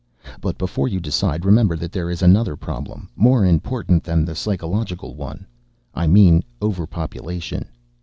"But before you decide, remember that there is another problem, more important than the psychological one. I mean overpopulation.